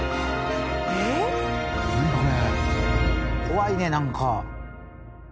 「怖いねなんか」